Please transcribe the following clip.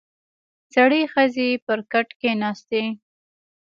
• زړې ښځې پر کټ کښېناستې.